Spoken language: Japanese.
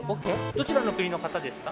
どちらの国の方ですか？